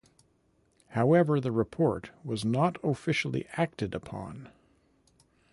However, the report was not officially acted upon.